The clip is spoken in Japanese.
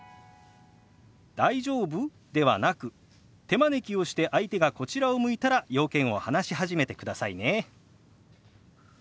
「大丈夫？」ではなく手招きをして相手がこちらを向いたら用件を話し始めてくださいね。